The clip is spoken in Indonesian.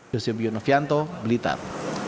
yusuf yunufianto blitar